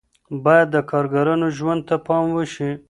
باید د کارګرانو ژوند ته پام وشي.